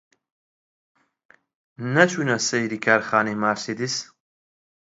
نەچوونە سەیری کارخانەی مارسیدس؟